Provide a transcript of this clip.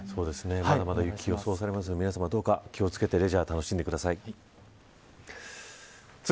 まだまだ雪が予想されますが皆さま、どうか気を付けてレジャー楽しんでください。